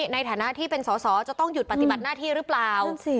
ในฐานะที่เป็นสอสอจะต้องหยุดปฏิบัติหน้าที่หรือเปล่า